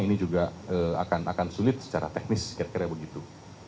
ini juga akan sulit secara teknis kira kira begitu